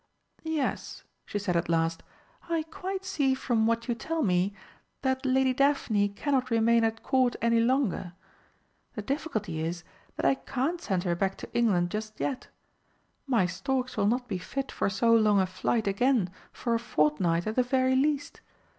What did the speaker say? "Yes," she said at last, "I quite see from what you tell me, that Lady Daphne cannot remain at Court any longer. The difficulty is that I can't send her back to England just yet. My storks will not be fit for so long a flight again for a fortnight at the very least.